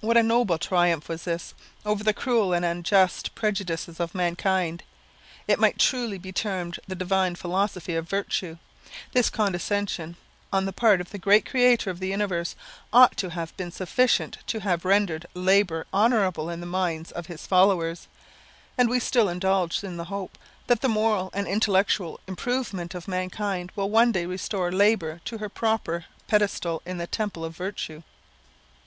What a noble triumph was this, over the cruel and unjust prejudices of mankind! It might truly be termed the divine philosophy of virtue. This condescension on the part of the great Creator of the universe, ought to have been sufficient to have rendered labour honourable in the minds of his followers; and we still indulge the hope, that the moral and intellectual improvement of mankind will one day restore labour to her proper pedestal in the temple of virtue.